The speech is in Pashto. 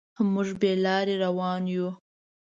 موږ بې لارې روان یو.